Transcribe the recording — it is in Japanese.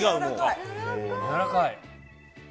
やわらかい。